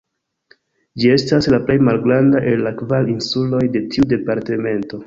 Ĝi estas la plej malgranda el la kvar insuloj de tiu departemento.